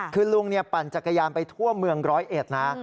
คือลุงปั่นจักรยานไปทั่วเมืองร้อยเอ็ดนะ